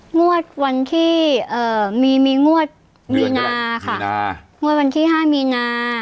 งวดวันที่มีงวดมีนาค่ะงวดวันที่๕มีนา